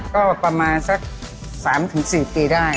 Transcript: ก็ประมาณสัก๓๔ปีได้